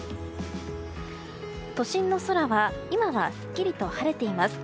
都心の空は今はすっきりと晴れています。